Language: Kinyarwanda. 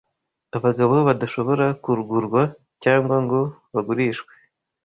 abagabo badashobora kugurwa cyangwa ngo bagurishwe,